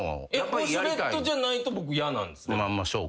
ウォシュレットじゃないと僕嫌なんです。